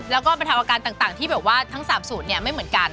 แล้วก็บรรเทาอาการต่างที่แบบว่าทั้ง๓สูตรเนี่ยไม่เหมือนกัน